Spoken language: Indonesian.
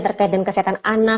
terkait dengan kesehatan anak